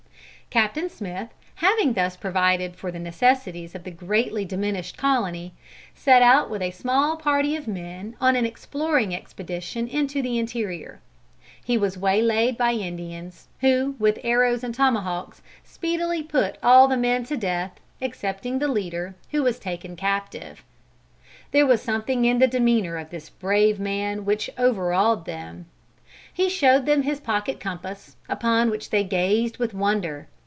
Captain Smith having thus provided for the necessities of the greatly diminished colony, set out with a small party of men on an exploring expedition into the interior. He was waylayed by Indians, who with arrows and tomahawks speedily put all the men to death, excepting the leader, who was taken captive. There was something in the demeanor of this brave man which overawed them. He showed them his pocket compass, upon which they gazed with wonder.